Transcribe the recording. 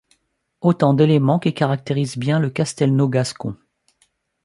Autant d'éléments qui caractérisent bien le castelnau gascon.